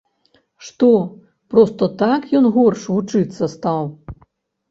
Што, проста так ён горш вучыцца стаў?